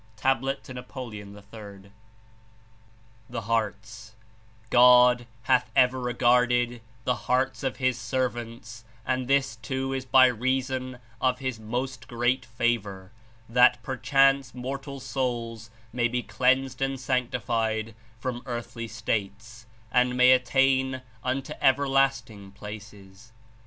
(Tab. to Napoleon III.) 99 THE HEARTS "God hath ever regarded the hearts of (His) ser vants, and this too is by reason of (His) most great favor, that perchance mortal souls may be cleansed and sanctified from earthly states and may attain unto everlasting places."